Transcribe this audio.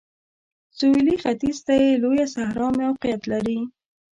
سویلي ختیځ ته یې لویه صحرا موقعیت لري.